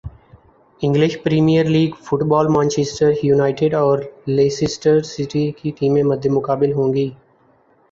English Premier League football Manchester United اور Leicester City کی ٹیمیں مدمقابل ہونگی